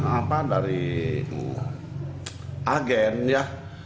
apa dari agen ya